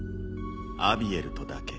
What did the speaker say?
アビエルとだけ。